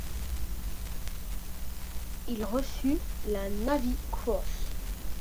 Il reçut la Navy Cross.